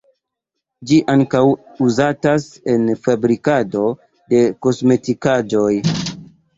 Ĝi ankaŭ uzatas en fabrikado de kosmetikaĵoj.